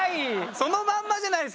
そのまんまじゃないですか！